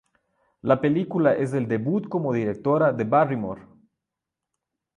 La película es el debut como directora de Barrymore.